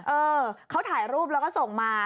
เออเขาถ่ายรูปแล้วก็ส่งมา